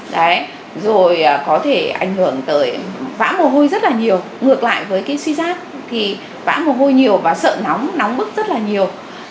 đấy rồi có thể ảnh hưởng tới vã mồ hôi rất là nhiều ngược lại với cái suy giác thì vã mồ hôi nhiều và sợ nóng nóng bức rất là nhiều